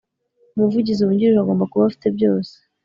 umuvugizi w ungirije agomba kuba afite byose